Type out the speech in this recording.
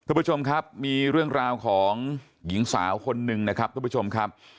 คุณผู้ชมครับมีเรื่องราวของหญิงสาวคนหนึ่งนะครับทุกผู้ชมครับ